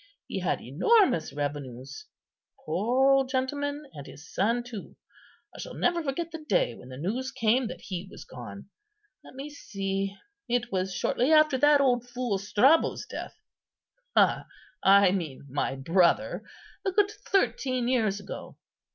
he had enormous revenues. Poor old gentleman! and his son too. I never shall forget the day when the news came that he was gone. Let me see, it was shortly after that old fool Strabo's death—I mean my brother; a good thirteen years ago.